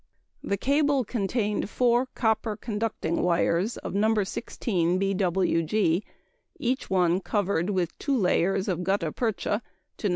The cable contained four copper conducting wires of No. 16 B.W.G., each one covered with two layers of gutta percha to No.